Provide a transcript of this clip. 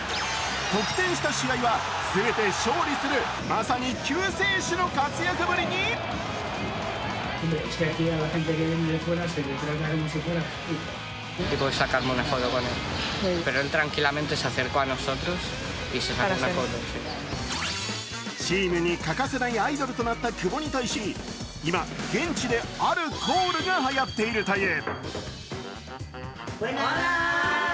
得点した試合は全て勝利するまさに救世主の活躍ぶりにチームには欠かせないアイドルとなった久保に対し今、現地であるコールがはやっているという。